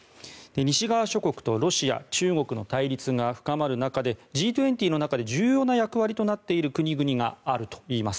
西側諸国とロシア、中国の対立が深まる中でＧ２０の中で重要な役割となっている国々があるといいます。